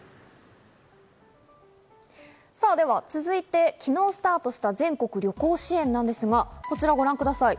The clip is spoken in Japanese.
では続いて、昨日スタートした全国旅行支援なんですが、こちらをご覧ください。